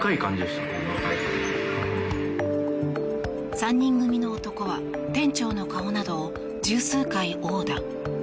３人組の男は店長の顔などを１０数回殴打。